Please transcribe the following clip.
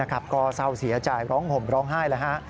ก่อเศร้าเสียจ่ายร้องห่มร้องไห้เลย